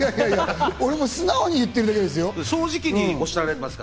俺、もう素直に言ってるだけですよ。